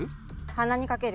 鼻に掛ける。